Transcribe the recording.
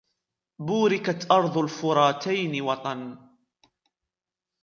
بوركت أرض الفراتين وطن